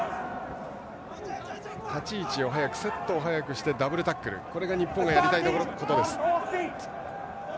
立ち位置を早くセットを早くしてダブルタックルこれが日本がやりたいことです。